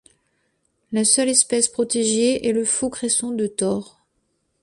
La seule espèce protégée est le faux cresson de Thore.